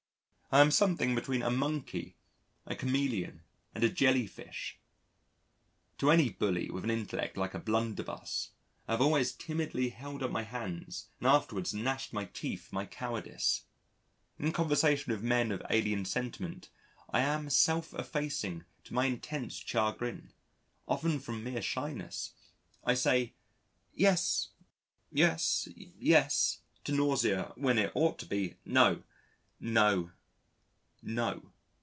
I am something between a Monkey, a Chameleon, and a Jellyfish. To any bully with an intellect like a blunderbuss, I have always timidly held up my hands and afterwards gnashed my teeth for my cowardice. In conversation with men of alien sentiment I am self effacing to my intense chagrin, often from mere shyness. I say, "Yes ... yes ... yes," to nausea, when it ought to be "No ... no ... no."